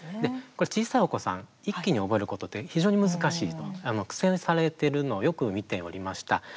小さいお子さん一気に覚えることって非常に難しいと、苦戦されてるのをよく見ておりました。